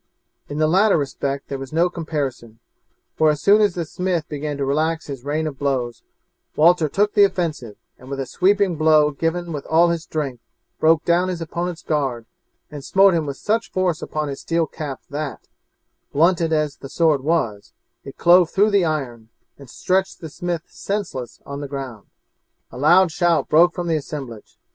In the latter respect there was no comparison, for as soon as the smith began to relax his rain of blows Walter took the offensive and with a sweeping blow given with all his strength broke down his opponent's guard and smote him with such force upon his steel cap that, blunted as the sword was, it clove through the iron, and stretched the smith senseless on the ground. A loud shout broke from the assemblage.